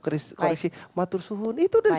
koreksi matur suhun itu dari